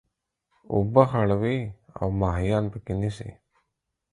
اوبه خړوي او ماهيان پکښي نيسي.